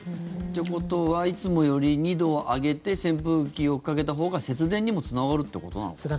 ということはいつもより２度上げて扇風機をかけたほうが節電にもつながるということなのかな。